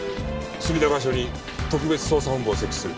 隅田川署に特別捜査本部を設置する。